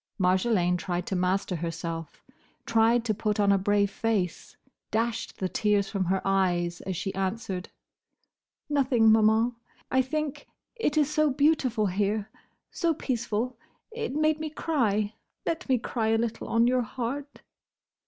Marjolaine tried to master herself; tried to put on a brave face; dashed the tears from her eyes, as she answered—"Nothing, Maman. I think—it is so beautiful here!—So peaceful! It made me cry. Let me cry a little on your heart."